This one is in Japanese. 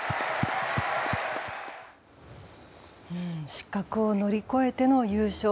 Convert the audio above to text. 失格を乗り越えての優勝。